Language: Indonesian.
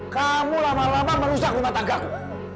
kamu lama lama merusak rumah tangga aku